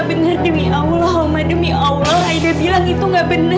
bener demi allah oma demi allah aida bilang itu enggak bener